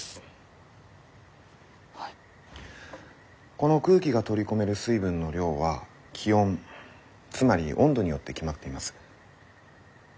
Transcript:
この空気が取り込める水分の量は気温つまり温度によって決まっています。